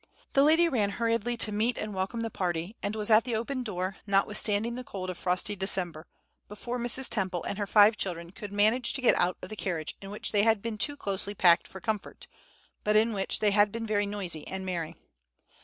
The lady ran hurriedly to meet and welcome the party, and was at the open door, notwithstanding the cold of frosty December, before Mrs. Temple and her five children could manage to get out of the carriage in which they had been too closely packed for comfort, but in which they had been very noisy and merry.